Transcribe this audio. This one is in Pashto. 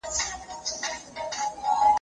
زه به سبا د کتابتون پاکوالی وکړم.